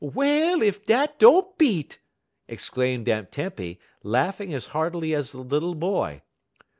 "Well, ef dat don't beat!" exclaimed Aunt Tempy, laughing as heartily as the little boy.